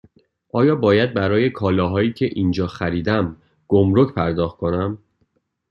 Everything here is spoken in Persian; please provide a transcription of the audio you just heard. آیا باید برای کالاهایی که اینجا خریدم گمرگ پرداخت کنم؟